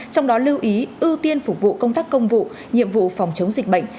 trong đó lưu ý ưu tiên phục vụ công tác công vụ nhiệm vụ phòng chống dịch bệnh